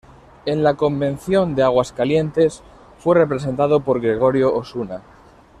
En la Convención de Aguascalientes fue representado por Gregorio Osuna.